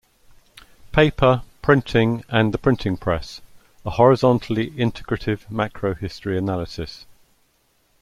Paper, printing and the printing press: A horizontally integrative macrohistory analysis.